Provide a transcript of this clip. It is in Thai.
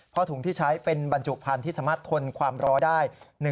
เพราะถุงที่ใช้เป็นบรรจุพันธุ์ที่สามารถทนความร้อได้